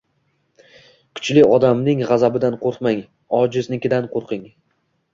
Kuchli odamning g’azabidan qo’rqmang. Ojiznikidan qo’rqing!